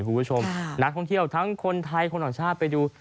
คุณผู้ชมนักท่องเที่ยวทั้งคนไทยคนต่างชาติไปดู